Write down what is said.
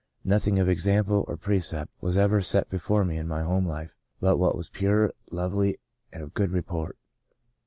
Nothing of example or pre cept was ever set before me in my home life but what was pure, lovely and of good report.